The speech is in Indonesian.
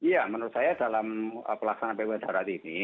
ya menurut saya dalam pelaksanaan ppkm darurat ini